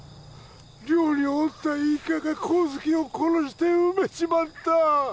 寮におった一家が康介を殺して埋めちまった